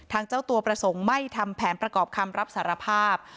เจ้าตัวประสงค์ไม่ทำแผนประกอบคำรับสารภาพ